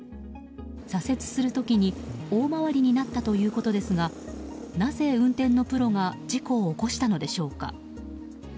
左折する時に大回りになったということですがなぜ運転のプロが事故を起こしたのでしょうか。